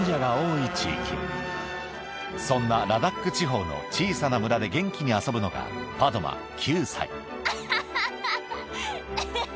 そんなラダック地方の小さな村で元気に遊ぶのがアハハハハハハ